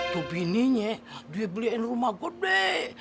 tuh bininya dia beliin rumah gue deh